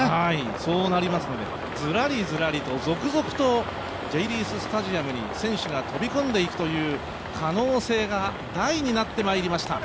そうなりますので、ずらりずらりと、続々とジェイリーススタジアムに選手が飛び込んでいくという可能性が大になってきました。